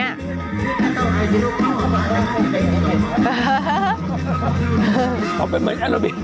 มันเหมือนแอโลบิก